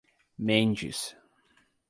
Mendes